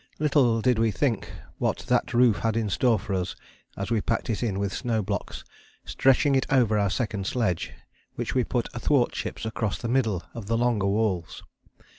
Little did we think what that roof had in store for us as we packed it in with snow blocks, stretching it over our second sledge, which we put athwartships across the middle of the longer walls.